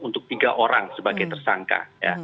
untuk tiga orang sebagai tersangka